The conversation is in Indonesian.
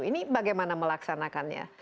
ini bagaimana melaksanakannya